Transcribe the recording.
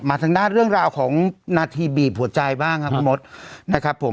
มาทั้งหน้าเรื่องราวของนาธีบีบหัวใจบ้างครับทั้งหมดนะครับผม